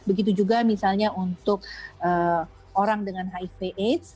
begitu juga misalnya untuk orang dengan hiv aids